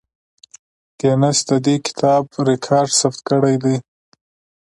ګینس د دې کتاب ریکارډ ثبت کړی دی.